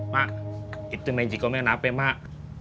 mak itu magic komen apa ya mak